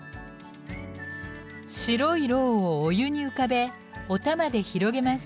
白い蝋をお湯に浮かべお玉で広げます。